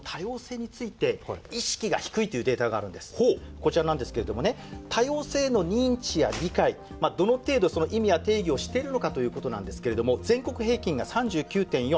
こちらなんですけれどもね多様性への認知や理解どの程度その意味や定義を知っているのかということなんですけれども全国平均が３９．４。